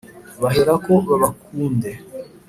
bahereko babakunde